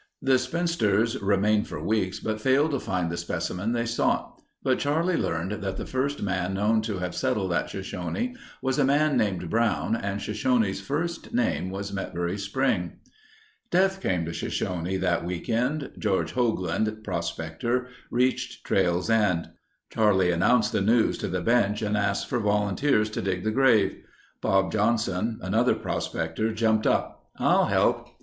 The spinsters remained for weeks but failed to find the specimen they sought, but Charlie learned that the first man known to have settled at Shoshone was a man named Brown and Shoshone's first name was Metbury Spring. Death came to Shoshone that week end. George Hoagland, prospector, reached Trail's End. Charlie announced the news to the bench and asked for volunteers to dig the grave. Bob Johnson, another prospector, jumped up. "I'll help."